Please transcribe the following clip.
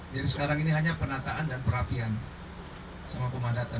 jadi sekarang ini hanya penataan dan perapian sama pemadatan